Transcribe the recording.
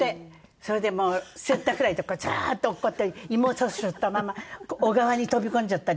それでもうセンターフライとかザーッと落っこったり妹を背負ったまま小川に飛び込んじゃったりなんかして。